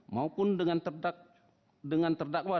maupun dengan terdakwa